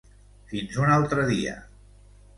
Fins un altre dia.